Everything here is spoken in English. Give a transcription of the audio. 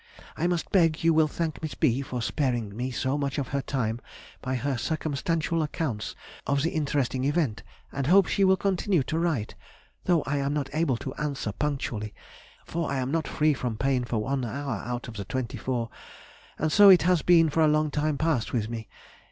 I must beg you will thank Miss B. for sparing me so much of her time by her circumstantial accounts of the interesting event, and hope she will continue to write, though I am not able to answer punctually, for I am not free from pain for one hour out of the twenty four, and so it has been for a long time past with me.